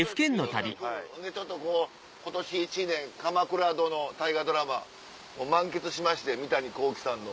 ちょっとこう今年１年『鎌倉殿』大河ドラマを満喫しまして三谷幸喜さんの。